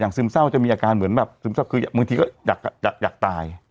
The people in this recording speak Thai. ซึมเศร้าจะมีอาการเหมือนแบบซึมเศร้าคือบางทีก็อยากตาย